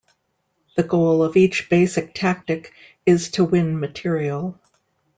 The goal of each basic tactic is to win material.